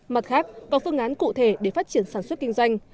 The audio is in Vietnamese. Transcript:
mặt khác có phương án cụ thể để phát triển sản xuất kinh doanh